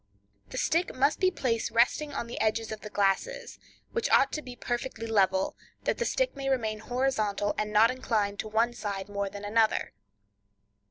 The stick must be placed resting on the edges of the glasses, which ought to be perfectly level, that the stick may remain horizontal, and not inclined to one side more than another.